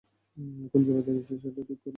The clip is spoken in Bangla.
এখন যে ব্যথা দিয়েছ, সেটা ঠিক করো, চুমো দেও।